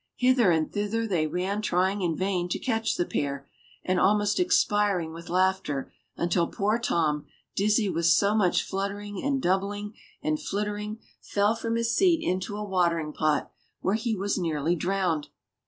Hither and thither they ran trying in vain to catch the pair, and almost expiring with laughter, until poor Tom, dizzy with so much fluttering, and doubling, and flittering, fell from his seat into a watering pot, where he was nearly drowned.